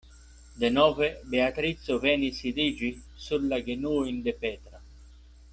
Denove Beatrico venis sidiĝi sur la genuojn de Petro.